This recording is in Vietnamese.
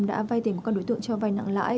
đã vay tiền của các đối tượng cho vay nặng lãi